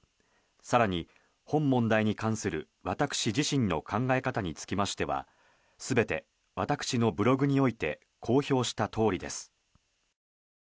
更に、本問題に関する私自身の考え方につきましては全て私のブログにおいて公表したとおりです。